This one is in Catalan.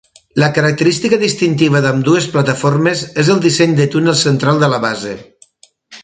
La característica distintiva d'ambdues plataformes és el disseny de túnel central de la base.